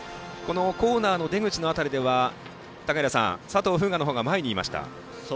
コーナーの出口の辺りでは高平さん、佐藤風雅のほうが前にいました。